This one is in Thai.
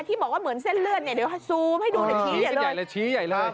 อันที่บอกว่าเหมือนเส้นเลือดเนี่ยเดี๋ยวซูมให้ดูหน่อยชี้ใหญ่เลย